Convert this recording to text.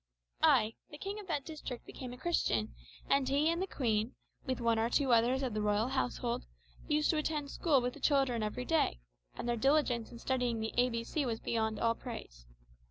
"Ay; the king of that district became a Christian, and he and the queen, with one or two others of the royal household, used to attend school with the children every day, and their diligence in studying the A B C was beyond all praise.